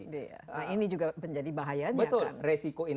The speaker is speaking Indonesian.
nah ini juga menjadi bahayanya kan